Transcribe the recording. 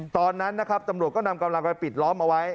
ตอนนั้นนะครับตำรวจก็นำกำลังไปปิดล้อมเอาไว้